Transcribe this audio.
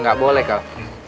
nggak boleh kau